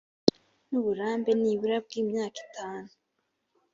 n uburambe nibura bw imyaka itanu